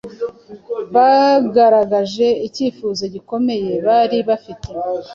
Bagaragaje icyifuzo gikomeye bari bafite